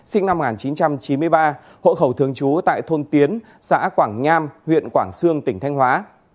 sinh năm một nghìn chín trăm chín mươi ba hộ khẩu thường trú tại thôn tiến xã quảng nham huyện quảng sương tỉnh thanh hóa